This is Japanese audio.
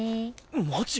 マジ？